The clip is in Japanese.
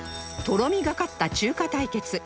とろみがかった中華対決